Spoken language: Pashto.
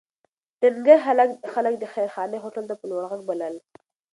ډنکر هلک خلک د خیرخانې هوټل ته په لوړ غږ بلل.